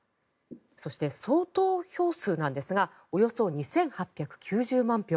そして、総投票数なんですがおよそ２８９０万票。